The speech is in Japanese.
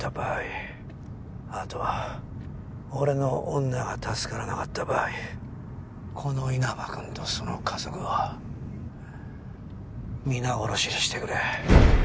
あと俺の女が助からなかった場合この稲葉くんとその家族を皆殺しにしてくれ。